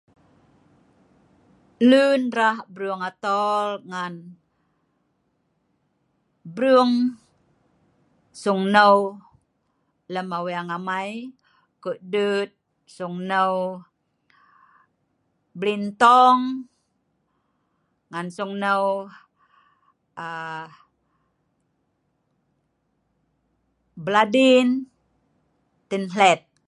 lun rah brung atol ngan brung sung hneu lem aweng amei kudut sung hneu blintong ngan sung hneu aaa bladin tenhlet.